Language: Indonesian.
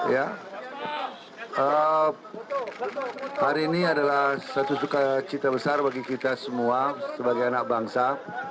ya hari ini adalah satu sukacita besar bagi kita semua sebagai anak bangsa